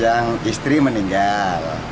yang istri meninggal